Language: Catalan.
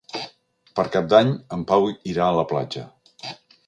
Per Cap d'Any en Pau irà a la platja.